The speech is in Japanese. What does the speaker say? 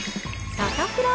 サタプラ。